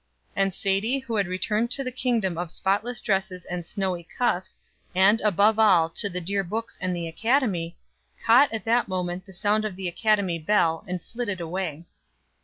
And Sadie, who had returned to the kingdom of spotless dresses and snowy cuffs, and, above all, to the dear books and the academy, caught at that moment the sound of the academy bell, and flitted away.